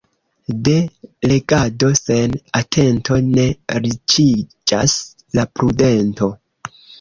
De legado sen atento ne riĉiĝas la prudento.